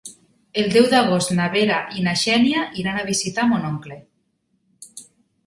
El deu d'agost na Vera i na Xènia iran a visitar mon oncle.